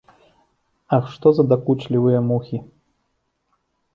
Ах, што за дакучлівыя мухі!